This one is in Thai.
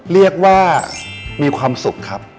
เรียกว่ามีความสุขครับ